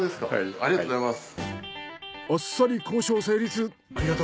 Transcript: ありがとうございます。